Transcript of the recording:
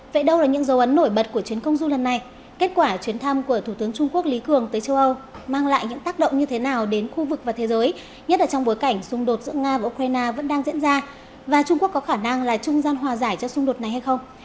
vậy đâu là những dấu ấn nổi bật của chuyến công du lần này kết quả chuyến thăm của thủ tướng trung quốc lý cường tới châu âu mang lại những tác động như thế nào đến khu vực và thế giới nhất là trong bối cảnh xung đột giữa nga và ukraine vẫn đang diễn ra và trung quốc có khả năng là trung gian hòa giải cho xung đột này hay không